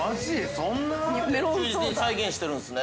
◆忠実に再現してるんですね。